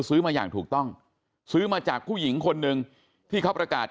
ซื้อมาอย่างถูกต้องซื้อมาจากผู้หญิงคนหนึ่งที่เขาประกาศ